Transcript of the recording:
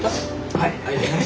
はい。